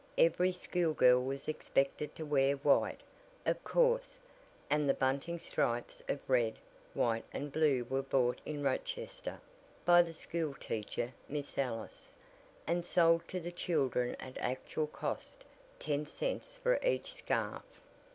Every school girl was expected to wear white, of course, and the bunting stripes of red, white and blue were bought in Rochester, by the school teacher, Miss Ellis, and sold to the children at actual cost ten cents for each scarf.